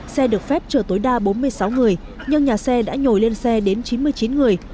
xe được phép chở tối đa bốn mươi sáu người nhưng nhà xe đã nhồi lên xe đến chín mươi chín người